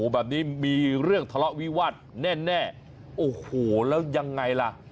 แบบนี้มีเรื่องทะเลาะวิวาสแน่โอ้โหแล้วยังไงล่ะ